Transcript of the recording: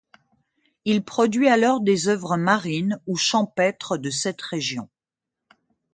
Il produit alors des œuvres marines ou champêtres de cette région.